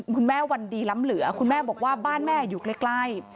วันดีล้ำเหลือคุณแม่บอกว่าบ้านแม่อยู่ใกล้